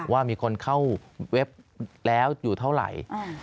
ว่ามีคนเข้าเว็บแล้วอยู่เท่าไหร่